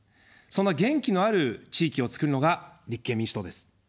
そんな元気のある地域を作るのが立憲民主党です。